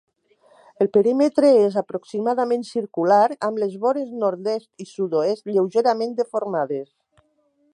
El perímetre és aproximadament circular, amb les vores nord-est i sud-oest lleugerament deformades.